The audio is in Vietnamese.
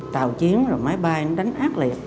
tàu chiến máy bay đánh ác liệt